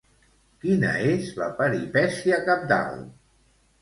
Quina és la peripècia cabdal?